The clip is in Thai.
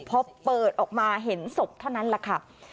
พอเปิดออกมาเห็นศพเท่านั้นแหละค่ะ